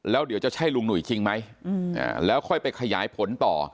แล้วเดี๋ยวจะใช่ลุงหนุ่ยจริงไหมแล้วค่อยไปขยายผลต่อ